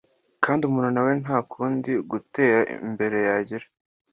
kandi umuntu nawe nta kundi gutera imbere yagira